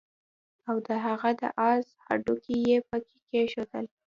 او د هغه د آس هډوکي يې پکي کېښودل